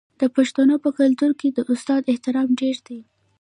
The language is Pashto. د پښتنو په کلتور کې د استاد احترام ډیر دی.